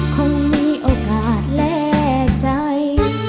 คงมีโอกาสแลกใจ